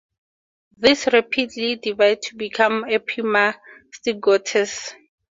These rapidly divide to become epimastigotes.